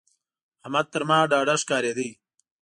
احمد تر ما ډاډه ښکارېده.